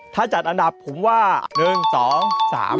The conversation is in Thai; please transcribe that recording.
ถ้าจัดอันดับผมว่า๑๒๓